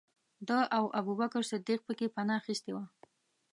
ده او ابوبکر صدیق پکې پنا اخستې وه.